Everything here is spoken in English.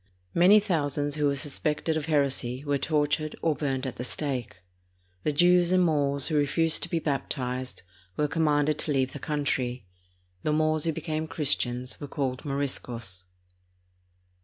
Many thousands who were sus pected of heresy were tortured or burned at the stake. The Jews and Moors wtio refused to be baptized were commanded to leave the country. The Moors who became Christians were called Moriscos.